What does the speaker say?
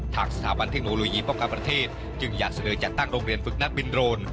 ทางสถาบันเทคโนโลยีป้องกันประเทศจึงอยากเสนอจัดตั้งโรงเรียนฝึกนักบินโรน